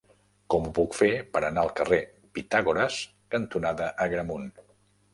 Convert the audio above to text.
Com ho puc fer per anar al carrer Pitàgores cantonada Agramunt?